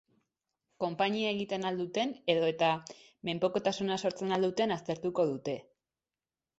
Konpainia egiten al duten edo eta menpekotasuna sortzen al duten aztertuko dute.